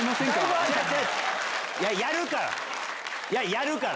やるから！